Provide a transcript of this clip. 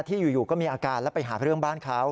อยู่ก็มีอาการแล้วไปหาเรื่องบ้านเขา